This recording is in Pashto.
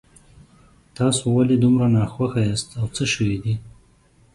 تاسو ولې دومره ناخوښه یاست او څه شوي دي